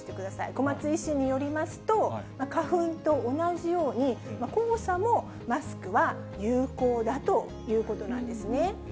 小松医師によりますと、花粉と同じように、黄砂もマスクは有効だということなんですね。